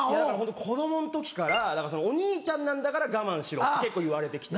子供の時からお兄ちゃんなんだから我慢しろって結構言われて来てて。